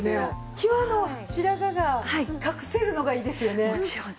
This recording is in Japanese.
際の白髪が隠せるのがいいですよね。